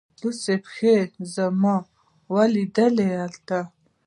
لڅي پښې زما لیدولو ته